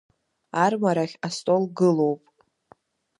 Армарахь астол гылоуп…